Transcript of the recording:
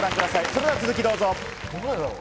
それでは続きをどうぞ。